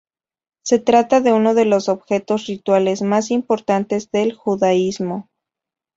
Se trata de uno de los objetos rituales más importantes del judaísmo.